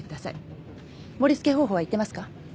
盛り付け方法はいってますか？